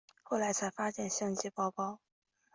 后来才发现相机包包